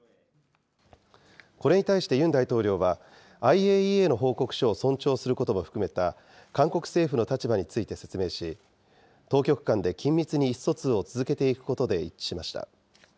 これに対してユン大統領は、ＩＡＥＡの報告書を尊重することも含めた、韓国政府の立場について説明し、当局間で緊密に意思疎通を続けていくことで一致しました。